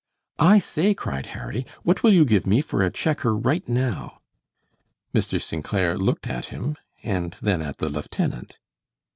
"I say," cried Harry, "what will you give me for a checker right now?" Mr. St. Clair looked at him and then at the lieutenant.